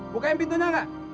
bukain pintunya gak